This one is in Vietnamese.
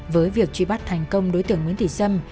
với việc truy bắt thành công đối tượng nguyễn thị sâm